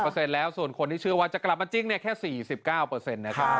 ๕๑เปอร์เซ็นต์แล้วส่วนคนที่เชื่อว่าจะกลับมาจริงแค่๔๙เปอร์เซ็นต์